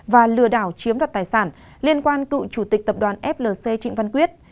và lừa đảo chiếm đoạt tài sản liên quan cựu chủ tịch tập đoàn flc trịnh văn quyết